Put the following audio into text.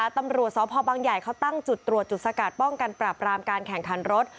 ตำรวจสพบังใหญ่เขาตั้งจุดตรวจจุดสกัดป้องกันปราบรามการแข่งขันรถ